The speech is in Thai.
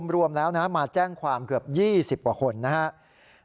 รวมแล้วนะมาแจ้งความเกือบ๒๐กว่าคนนะครับ